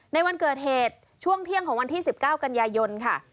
ในวันเกิดเหตุช่วงเที่ยงของวันที่๑๙กันยายนค่ะ